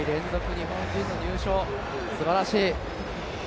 日本人の入賞すばらしい。